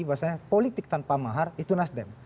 bahwasannya politik tanpa mahar itu nasdem